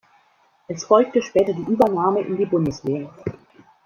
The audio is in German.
Es folgte später die Übernahme in die Bundeswehr.